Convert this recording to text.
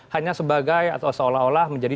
hanya sebagai atau seolah olah menjadi